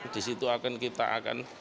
di situ kita akan berusaha